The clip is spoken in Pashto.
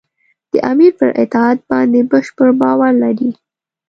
د امیر پر اطاعت باندې بشپړ باور لري.